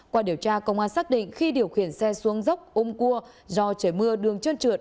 qua điều tra công an xác định khi điều khiển xe xuống dốc ôm cua do trời mưa đường trơn trượt